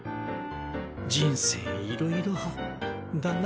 人生いろいろだな。